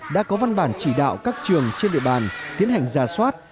đã có văn bản chỉ đạo các trường trên địa bàn tiến hành giả soát